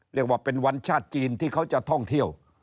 เรียกว่าเป็นวันชาติจีนที่เขาจะท่องเที่ยว